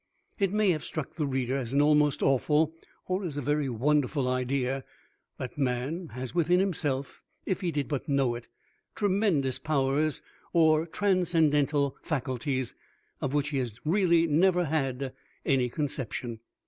It may have struck the reader as an almost awful, or as a very wonderful idea, that man has within himself, if he did but know it, tremendous powers or transcendental faculties of which he has really never had any conception.